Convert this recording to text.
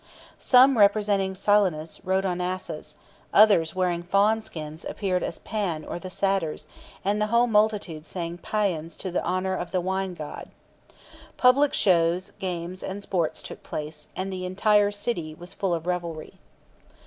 Some representing Silenus rode on asses, others wearing fawn skins appeared as Pan or the Satyrs, and the whole multitude sang pæans in honour of the wine god. Public shows, games, and sports took place, and the entire city was full of revelry.